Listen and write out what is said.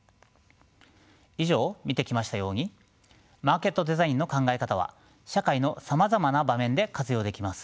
以上見てきましたようにマーケットデザインの考え方は社会のさまざまな場面で活用できます。